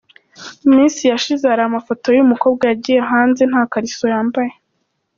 Mu minsi yashize hari amafoto y’uyu mukobwa yagiye hanze nta kariso yambaye.